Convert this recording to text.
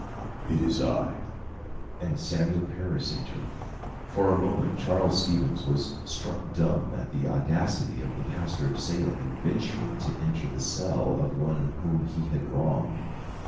"It is I," and Samuel Parris entered. For a moment, Charles Stevens was struck dumb at the audacity of the pastor of Salem in venturing to enter the cell of one whom he had wronged.